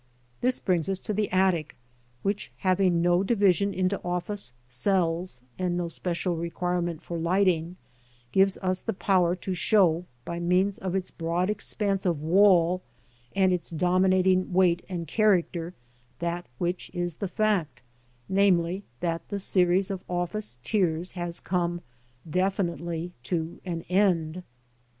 This brings us to the attic, which, having no division into office cells, and no special requirement for lighting, gives us the power to show by means of its broad expanse of wall, and its dominating weight and character, that which is the fact, ŌĆö namely, that the series of office tiers has come definitely to an end.